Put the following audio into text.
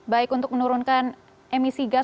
baik untuk menurunkan emisi gas